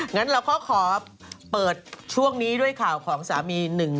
งั้นเราก็ขอเปิดช่วงนี้ด้วยข่าวของสามี